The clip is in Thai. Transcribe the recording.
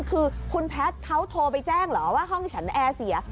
คือคุณแพทย์เขาโทรไปแจ้งเหรอว่าห้องฉันแอร์เสีย